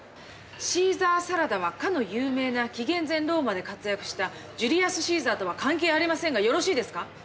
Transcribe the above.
シーザーサラダはかの有名な紀元前ローマで活躍したジュリアス・シーザーとは関係ありませんがよろしいですか？